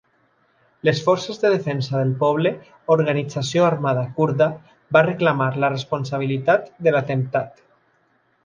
Les Forces de Defensa del Poble, organització armada kurda, va reclamar la responsabilitat de l'atemptat.